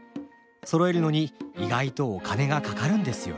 そろえるのに意外とお金がかかるんですよねえ。